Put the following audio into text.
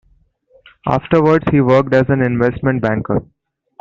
Afterwards, he worked as an investment banker.